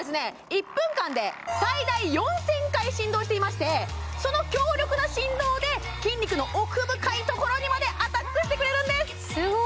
１分間で最大４０００回振動していましてその強力な振動で筋肉の奥深いところにまでアタックしてくれるんですすごい